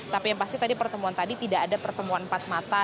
tapi yang pasti tadi pertemuan tadi tidak ada pertemuan empat mata